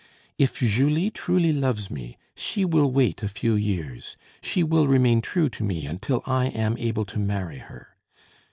If Julie truly loves me, she will wait a few years, she will remain true to me until I am able to marry her.